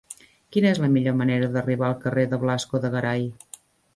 Quina és la millor manera d'arribar al carrer de Blasco de Garay?